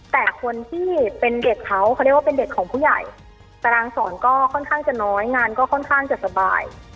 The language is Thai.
แต่คนที่เป็นเด็กเขาเขาเรียกว่าเป็นเด็กของผู้ใหญ่ตารางสอนก็ค่อนข้างจะน้อยงานก็ค่อนข้างจะสบาย